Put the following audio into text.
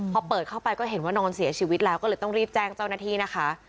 พอเปิดเข้าไปก็เห็นว่านอนเสียชีวิตแล้วก็เลยต้องรีบแจ้งเจ้าหน้าที่นะคะ